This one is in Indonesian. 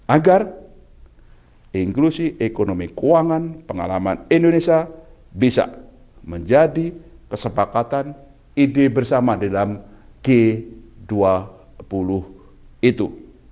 agar inklusi ekonomi keuangan pengalaman indonesia bisa menjadi kesepakatan ide bersama di dalam g dua puluh itu